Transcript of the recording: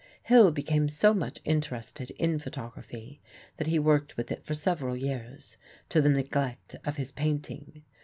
Hill became so much interested in photography that he worked with it for several years, to the neglect of his painting.